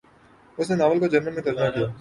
اس نے ناول کو جرمن میں ترجمہ کیا۔